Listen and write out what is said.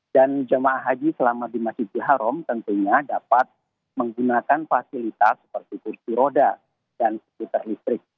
dan jemaah haji selama di masjidil haram tentunya dapat menggunakan fasilitas seperti kursi roda dan seputar listrik